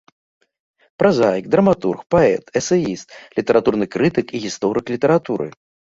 Празаік, драматург, паэт, эсэіст, літаратурны крытык і гісторык літаратуры.